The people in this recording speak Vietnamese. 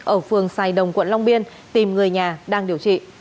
ở phường sài đồng quận long biên tìm người nhà đang điều trị